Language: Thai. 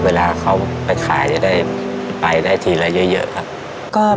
เวลาเขาไปขายจะได้ไปได้ทีละเยอะครับ